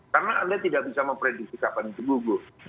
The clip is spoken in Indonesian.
karena anda tidak bisa memprediksi kapan itu google